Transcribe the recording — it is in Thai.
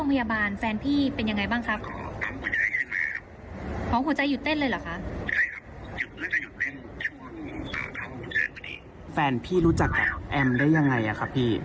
เขาเป็นเพื่อนของรองผู้กำกับการสามีของแอ้ม